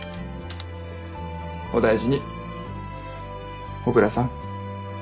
お大事に小椋さん。